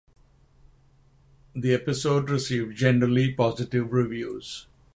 The episode received generally positive reviews.